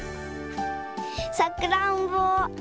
さくらんぼ。